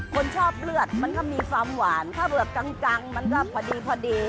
คนชอบเลือดมันก็มีความหวานถ้าเบือกจังมันก็พอดีพอดี